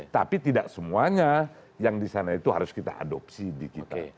tapi tidak semuanya yang di sana itu harus kita adopsi di kita